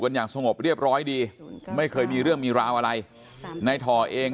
อย่างสงบเรียบร้อยดีไม่เคยมีเรื่องมีราวอะไรในถ่อเอง